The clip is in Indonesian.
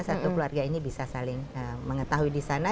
satu keluarga ini bisa saling mengetahui disana